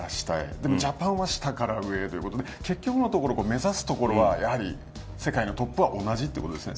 でもジャパンは下から上へという結局のところ目指すところはやはり世界のトップは同じですね。